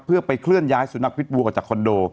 เพื่อไปเคลื่อนย้ายสุนัขพิษวัวออกจากคอนโด